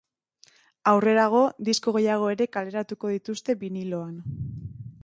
Aurrerago, disko gehiago ere kaleratuko dituzte biniloan.